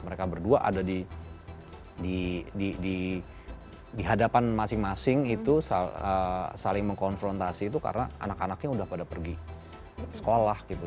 mereka berdua ada di hadapan masing masing itu saling mengkonfrontasi itu karena anak anaknya udah pada pergi sekolah gitu